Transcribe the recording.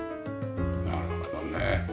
なるほどね。